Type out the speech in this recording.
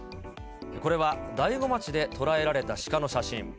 これは大子町で捉えられたシカの写真。